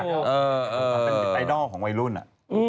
เป็นตายนอกของวัยรุ่นอะ